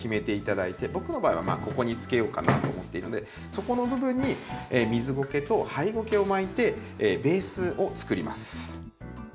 僕の場合はまあここにつけようかなと思っているのでそこの部分に水ゴケとハイゴケを巻いてベースをつくります。